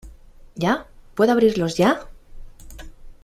¿ ya? ¿ puedo abrirlos ya ?